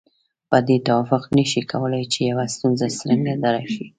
په دې توافق نشي کولای چې يوه ستونزه څرنګه اداره شي.